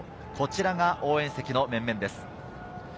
こちらが応援席の面々です。